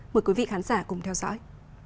mời quý vị khán giả cùng theo dõi